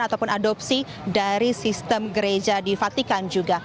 ataupun adopsi dari sistem gereja di fatikan juga